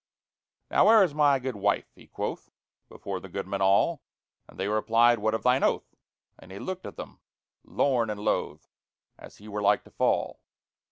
Now, where is my good wife? he quoth Before the goodmen all; And they replied, What of thine oath? And he looked on them lorn and loath, As he were like to fall.